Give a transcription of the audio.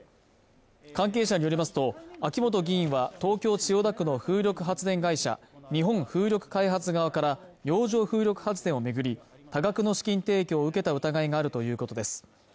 関係者によりますと秋本議員は東京千代田区の風力発電会社日本風力開発側から洋上風力発電を巡り多額の資金提供を受けた疑いがあるということです